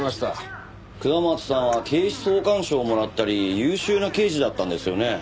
下松さんは警視総監賞をもらったり優秀な刑事だったんですよね？